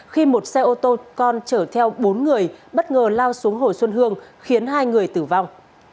khi một xe ô tô con chở theo bốn người bất ngờ lao xuống hồ xuân hương khiến hai người tử vong